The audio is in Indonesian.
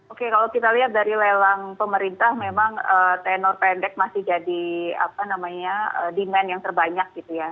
oke kalau kita lihat dari lelang pemerintah memang tenor pendek masih jadi demand yang terbanyak gitu ya